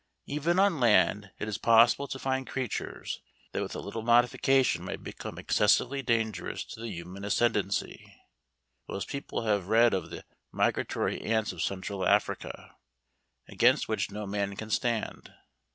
Even on land it is possible to find creatures that with a little modification might become excessively dangerous to the human ascendency. Most people have read of the migratory ants of Central Africa, against which no man can stand.